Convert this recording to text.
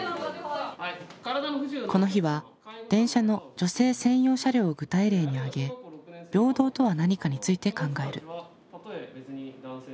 この日は電車の女性専用車両を具体例に挙げ「平等」とは何かについて考える。